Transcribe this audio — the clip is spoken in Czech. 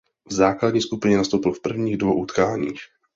V základní skupině nastoupil v prvních dvou utkáních.